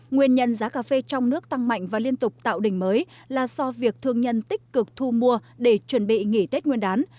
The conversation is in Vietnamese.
nguyên nhân giá cà phê trong nước tăng mạnh và liên tục tạo đỉnh mới là do việc thương nhân tích cực thu mua để chuẩn bị nghỉ tết nguyên đán